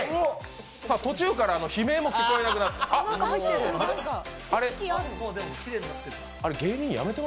途中から悲鳴も聞こえなくなって。